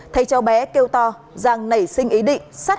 thầy cháu bé kêu to giang nảy sinh ý định